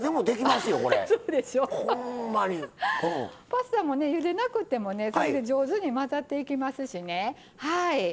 パスタもねゆでなくてもね上手に混ざっていきますしね。